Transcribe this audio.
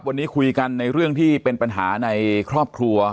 วันนี้คุยกันในเรื่องที่เป็นปัญหาในครอบครัว